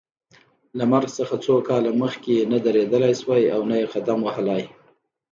له مرګ څخه څو کاله مخکې نه درېدلای شوای او نه یې قدم وهلای.